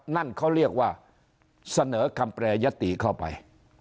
นั่นเขาเรียกว่าเสนอคำแปรยติเข้าไป